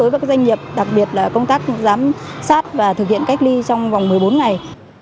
các doanh nghiệp đặc biệt là công tác giám sát và thực hiện cách ly trong vòng một mươi bốn ngày